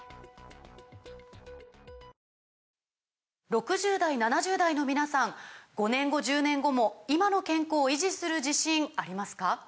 ６０代７０代の皆さん５年後１０年後も今の健康維持する自信ありますか？